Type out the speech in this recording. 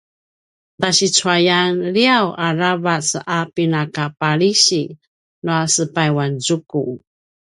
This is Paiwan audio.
tasicuayan liav aravac a pinakapalisi nua sepayuanzuku